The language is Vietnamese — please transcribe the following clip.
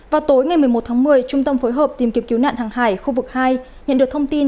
vào tối ngày một mươi một tháng một mươi trung tâm phối hợp tìm kiếm cứu nạn hàng hải khu vực hai nhận được thông tin